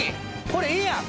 これいいやん。